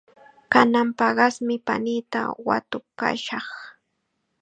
Kanan paqasmi paniita watukashaq.